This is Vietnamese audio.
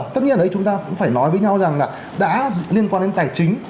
tất nhiên là chúng ta cũng phải nói với nhau rằng là đã liên quan đến tài chính